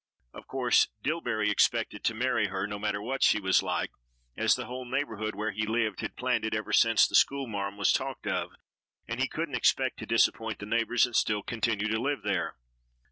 Of course, Dillbery expected to marry her, no matter what she was like, as the whole neighborhood where he lived had planned it ever since the school marm was talked of, and he couldn't expect to disappoint the neighbors and still continue to live there.